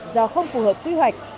do không phù hợp quy hoạch